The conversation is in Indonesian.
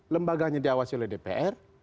lembaganya diawasi oleh dpr